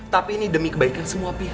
tapi ini demi kebaikan semua pihak